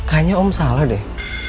kayaknya om salah deh